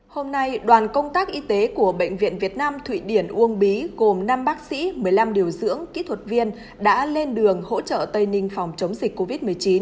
hôm nay đoàn công tác y tế của bệnh viện việt nam thụy điển uông bí gồm năm bác sĩ một mươi năm điều dưỡng kỹ thuật viên đã lên đường hỗ trợ tây ninh phòng chống dịch covid một mươi chín